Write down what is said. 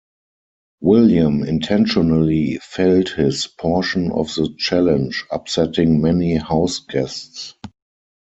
William intentionally failed his portion of the challenge, upsetting many HouseGuests.